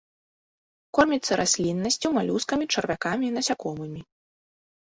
Корміцца расліннасцю, малюскамі, чарвякамі, насякомымі.